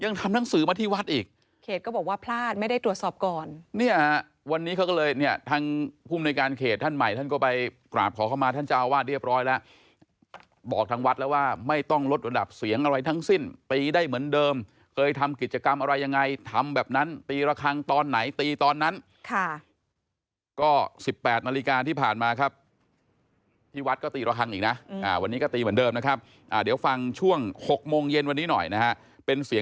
ยังทำหนังสือมาที่วัดอีกเขตก็บอกว่าพลาดไม่ได้ตรวจสอบก่อนเนี้ยอ่าวันนี้เขาก็เลยเนี้ยทางภูมิในการเขตท่านใหม่ท่านก็ไปกราบขอเข้ามาท่านเจ้าว่าเรียบร้อยแล้วบอกทางวัดแล้วว่าไม่ต้องลดระดับเสียงอะไรทั้งสิ้นตีได้เหมือนเดิมเคยทำกิจกรรมอะไรยังไงทำแบบนั้นตีระคังตอนไหนตีตอนนั้นค่ะก็ส